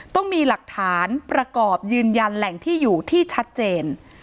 ต้องมีหลักฐานประกอบยืนยันแหล่งที่อยู่ที่ชัดเจน